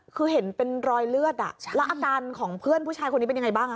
คือเห็นเป็นรอยเลือดแล้วอาการของเพื่อนผู้ชายคนนี้เป็นยังไงบ้าง